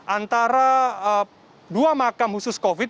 antara dua makam khusus covid